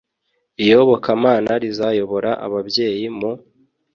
Iyobokamana rizayobora ababyeyi mu